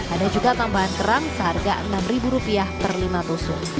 ada juga tambahan kerang seharga rp enam per lima tusuk